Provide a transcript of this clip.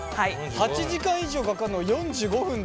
８時間以上かかるのを４５分で。